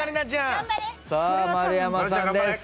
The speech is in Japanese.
さあ丸山さんです。